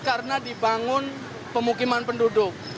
karena dibangun pemukiman penduduk